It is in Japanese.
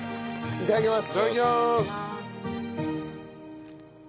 いただきます。